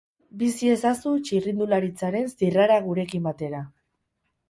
Bizi ezazu txirrindularitzaren zirrara gurekin batera.